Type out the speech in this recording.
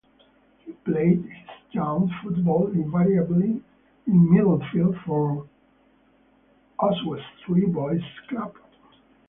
He played his youth football invariably in midfield for Oswestry Boys Club.